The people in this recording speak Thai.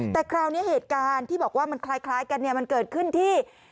แต่คราวนี้เหตุการณ์ที่บอกว่ามันคล้ายกันเนี่ยมันเกิดขึ้นที่